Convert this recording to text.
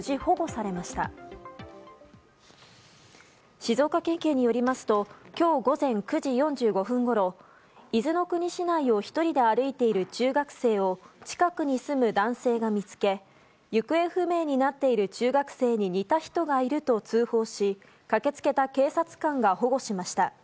静岡県警によりますと今日午前９時４５分ごろ伊豆の国市内を１人で歩いている中学生を近くに住む男性が見つけ行方不明になっている中学生に似た人がいると通報し駆けつけた警察官が保護しました。